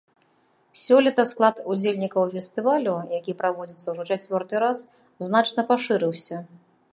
Сёлета склад удзельнікаў фестывалю, які праводзіцца ўжо чацвёрты раз, значна пашырыўся.